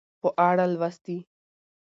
په اړه لوستي